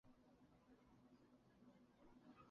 授官翰林院修撰。